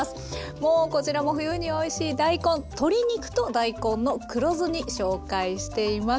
もうこちらも冬においしい大根「鶏肉と大根の黒酢煮」紹介しています。